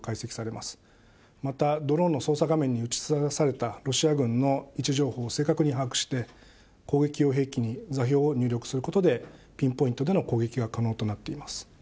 またドローンの操作画面に映し出されたロシア軍の位置情報を正確に把握して、攻撃用兵器に座標を入力することで、ピンポイントでの攻撃が可能となっています。